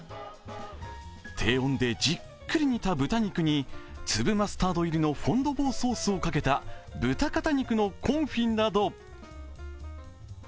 低温でじっくり煮た豚肉に粒マスタード入りのフォンドヴォーソースをかけた豚肩肉のコンフィーなど。